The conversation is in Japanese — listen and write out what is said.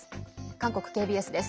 韓国ＫＢＳです。